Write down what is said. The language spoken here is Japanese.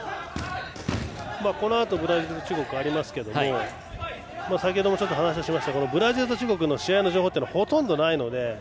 このあとブラジルと中国戦がありますが先ほども話をしましたがブラジルと中国の試合の情報はほとんどないので。